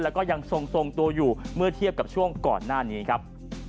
แล้วก็ยังทรงตัวอยู่เมื่อเทียบกับช่วงก่อนหน้านี้ครับ